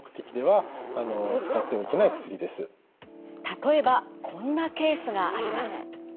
例えばこんなケースがあります。